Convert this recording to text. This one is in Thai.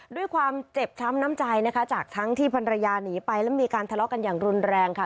ด้วยความเจ็บช้ำน้ำใจนะคะจากทั้งที่ภรรยาหนีไปแล้วมีการทะเลาะกันอย่างรุนแรงค่ะ